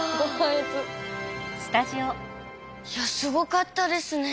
いやすごかったですね。